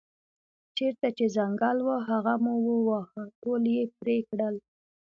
چېرته چې ځنګل و هغه مو وواهه ټول یې پرې کړل.